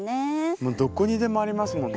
もうどこにでもありますもんね。